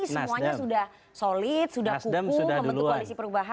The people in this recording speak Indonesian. semuanya sudah solid sudah kuku